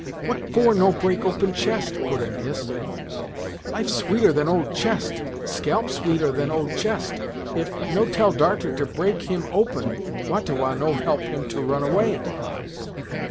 "What for no break open chest?" put in Hist. "Life sweeter than old chest scalp sweeter than old chest. If no tell darter to break him open, Wah ta Wah no help him to run away."